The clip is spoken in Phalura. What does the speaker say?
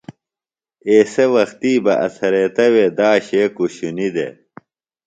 ایسےۡ وختی بہ اڅھریتہ وے داشے کوۡشنیۡ دےۡ